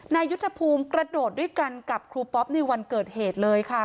นายยุทธภูมิกระโดดด้วยกันกับครูป๊อปในวันเกิดเหตุเลยค่ะ